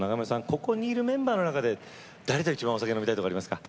ここにいるメンバーの中で誰と一番お酒飲みたいとかありますか？